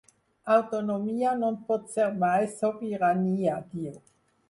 Autonomia no pot ser mai sobirania, diu.